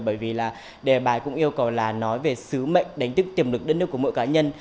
bởi vì là đề bài cũng yêu cầu là nói về sứ mệnh đánh thức tiềm lực đất nước của mỗi cá nhân